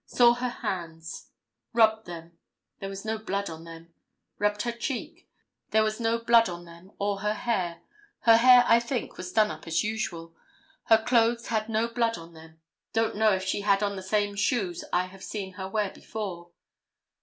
Saw her hands. Rubbed them. There was no blood on them. Rubbed her cheeks. There was no blood on them or her hair. Her hair, I think, was done up as usual. Her clothes had no blood on them. Don't know if she had on the same shoes I have seen her wear before."